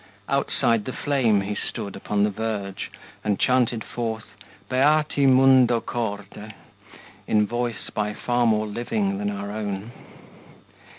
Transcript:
Outside the flame he stood upon the verge, And chanted forth, "Beati mundo corde," In voice by far more living than our own.